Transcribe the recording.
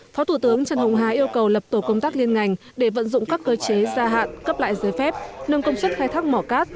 phó thủ tướng trần hồng hà yêu cầu lập tổ công tác liên ngành để vận dụng các cơ chế gia hạn cấp lại giới phép nâng công suất khai thác mỏ cát